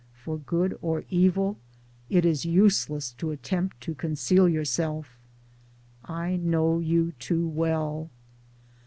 for good or evil it is useless to attempt to conceal yourself — I know you too well.